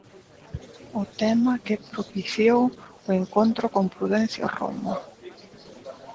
O tema que propiciou o encontro con Prudencio Romo.